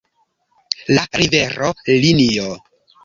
La rivero, linio